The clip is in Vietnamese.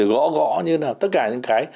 gõ gõ như thế nào tất cả những cái